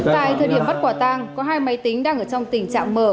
tại thời điểm bắt quả tang có hai máy tính đang ở trong tình trạng mở